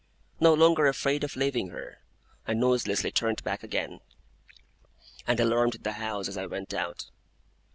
No longer afraid of leaving her, I noiselessly turned back again; and alarmed the house as I went out.